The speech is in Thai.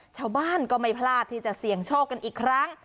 ชาวบ้านก็ไม่พลาดที่จะเสี่ยงโชคกันอีกครั้ง